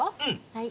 はい。